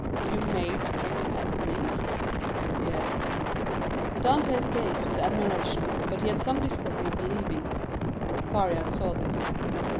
"You made paper, pens and ink?" "Yes." Dantès gazed with admiration, but he had some difficulty in believing. Faria saw this.